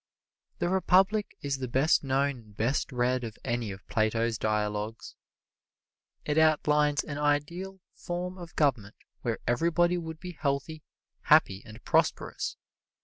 "The Republic" is the best known and best read of any of Plato's dialogues. It outlines an ideal form of government where everybody would be healthy, happy and prosperous.